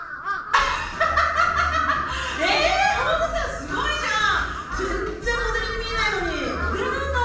すごいじゃん。全然モデルに見えないのにモデルなんだ。